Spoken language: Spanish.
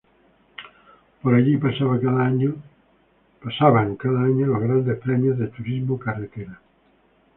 Por allí pasaba cada año los grandes premios de Turismo Carretera.